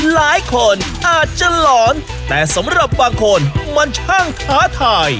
หลายคนอาจจะหลอนแต่สำหรับบางคนมันช่างท้าทาย